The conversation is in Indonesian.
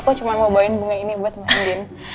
aku cuma mau bawain bunga ini buat mbak andin